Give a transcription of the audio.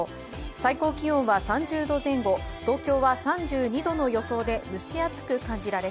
最高気温は３０度前後、東京は３２度の予想で蒸し暑く感じられ